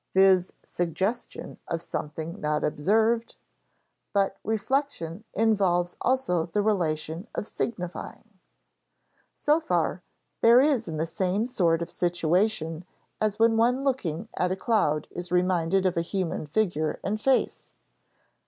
[Sidenote: viz. suggestion of something not observed] [Sidenote: But reflection involves also the relation of signifying] So far there is the same sort of situation as when one looking at a cloud is reminded of a human figure and face.